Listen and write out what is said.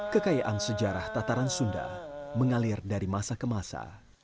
kekayaan sejarah tataran sunda mengalir dari masa ke masa